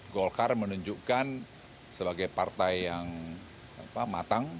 golkar menunjukkan sebagai partai yang matang